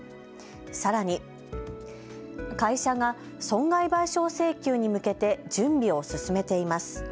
さらに、会社が損害賠償請求に向けて準備を進めています。